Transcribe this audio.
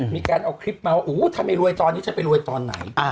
มีการเอาคลิปมาว่าทำไมรวยตอนนี้จะไปรวยตอนไหน